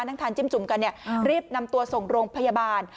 นั่งทานจิ้มจุ่มกันเนี่ยรีบนำตัวส่งโรงพยาบาล